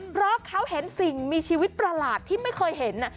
เพราะเขาเห็นสิ่งมีชีวิตประหลาดที่ไม่เคยเห็น